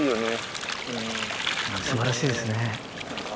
素晴らしいですね。